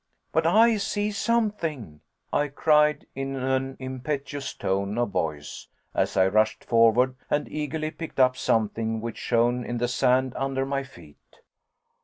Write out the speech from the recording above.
"But I see something," I cried, in an impetuous tone of voice, as I rushed forward and eagerly picked up something which shone in the sand under my feet.